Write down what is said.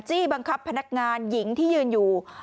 บังคับพนักงานหญิงที่ยืนอยู่